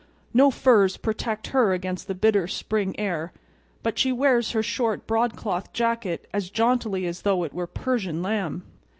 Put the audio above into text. No furs protect her against the bitter spring air, but she wears her short broadcloth jacket as jauntily as though it were Persian lamb!